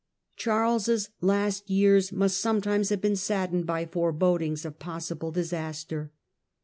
Charles' last years must sometimes have been saddened by forebodings of possible disaster.